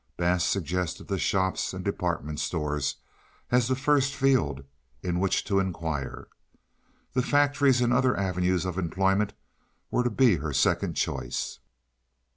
Bass suggested the shops and department stores as a first field in which to inquire. The factories and other avenues of employment were to be her second choice.